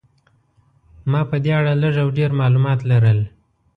ما په دې اړه لږ او ډېر معلومات لرل.